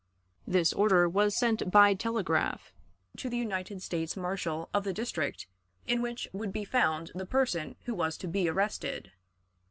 This order was sent by telegraph to the United States Marshal of the district in which would be found the person who was to be arrested.